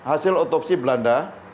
ada hasil otopsi belanda